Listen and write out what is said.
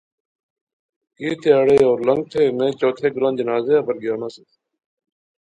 کی تہاڑے ہور لنگتھے، میں چوتھے گراں جنازے اپر گیا ناں سیس